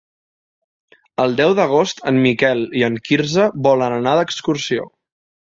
El deu d'agost en Miquel i en Quirze volen anar d'excursió.